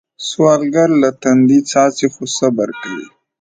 سوالګر له تندي څاڅي خو صبر کوي